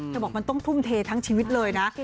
บอกมันต้องทุ่มเททั้งชีวิตเลยนะ